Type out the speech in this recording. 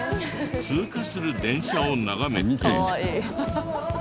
通過する電車を眺めて。